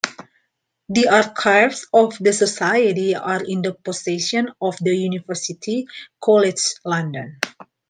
The archives of the Society are in the possession of the University College London.